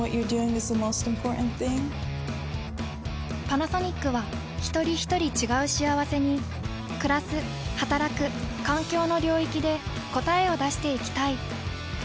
パナソニックはひとりひとり違う幸せにくらすはたらく環境の領域で答えを出していきたい。